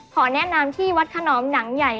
ขอแนะนำที่วัดขนอมหนังใหญ่